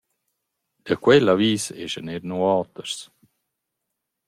Da quel avis eschan eir nus oters.